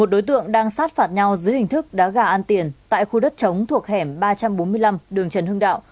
đối tượng đang sát phạt nhau dưới hình thức đá gà an tiền tại khu đất trống thuộc hẻm ba trăm bốn mươi năm đường trần hưng đạo